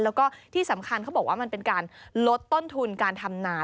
แล้วก็ที่สำคัญเขาบอกว่ามันเป็นการลดต้นทุนการทำนา